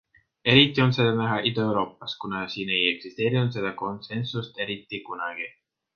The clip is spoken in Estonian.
Eriti on seda näha Ida-Euroopas, kuna siin ei eksisteerinud seda konsensust eriti kunagi.